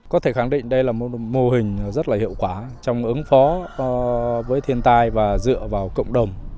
có thể khẳng định đây là một mô hình rất là hiệu quả trong ứng phó với thiên tai và dựa vào cộng đồng